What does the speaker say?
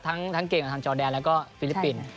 ทั้งเกมกับทางจอแดนแล้วก็ฟิลิปปินส์